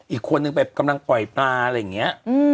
อีกคนนึงไปกำลังปล่อยปลาอะไรอย่างนี้